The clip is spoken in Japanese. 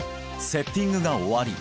セッティングが終わり